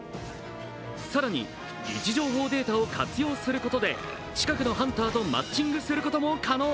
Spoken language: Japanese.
更に、位置情報データを活用することで近くのハンターとマッチングすることも可能。